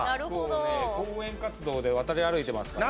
結構ね、講演活動で渡り歩いてますからね。